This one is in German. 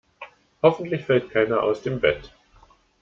Hoffentlich fällt keiner aus dem Bett.